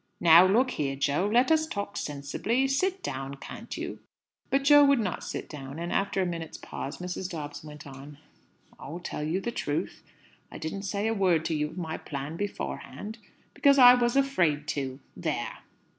"Now look here, Jo; let us talk sensibly. Sit down, can't you?" But Jo would not sit down; and after a minute's pause, Mrs. Dobbs went on "I'll tell you the truth. I didn't say a word to you of my plan beforehand, because I was afraid to there!"